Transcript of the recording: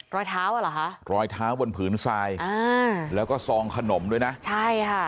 รอยเท้าอะล่ะค่ะรอยเท้าบนญุชินสายอื้อแล้วก็ซองขนมด้วยน่ะใช่ค่ะ